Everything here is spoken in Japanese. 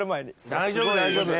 大丈夫大丈夫。